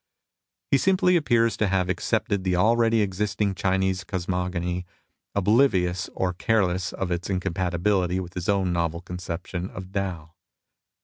He simply appears to have accepted the akeady existing Chinese cosmogony, oblivious or careless of its incom patibility with his own novel conception of Tao.